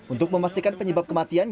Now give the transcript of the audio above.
untuk memastikan penyebab kematian